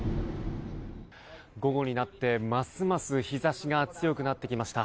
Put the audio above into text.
午後になってますます日差しが強くなってきました。